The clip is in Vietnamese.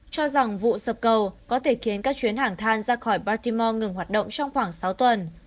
cho rằng vụ sập cầu có thể khiến các chuyến hàng than ra khỏi bartimore ngừng hoạt động trong khoảng sáu tuần